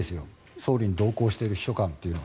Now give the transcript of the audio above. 総理に同行している秘書官というのは。